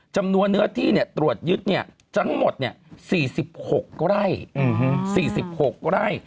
๑จำนวนเนื้อที่ตรวจยึดจังหมด๔๖ไร่